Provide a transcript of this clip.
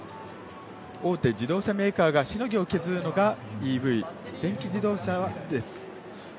大手自動車メーカーがしのぎを削るのがＥＶ・電気自動車です。